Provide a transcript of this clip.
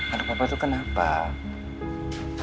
anak papa itu kenapa